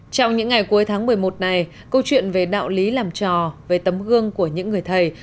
trong những ngày cuối tháng một mươi một này câu chuyện về đạo lý làm trò về tấm gương của những người thầy